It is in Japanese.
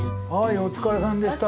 お疲れさまでした。